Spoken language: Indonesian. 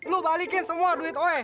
lo balikin semua duit oe